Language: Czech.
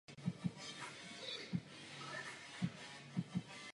Střední školství v Kfar Blum.